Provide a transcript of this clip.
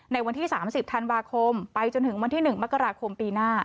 วันที่๓๐ธันวาคมไปจนถึงวันที่๑มกราคมปีหน้า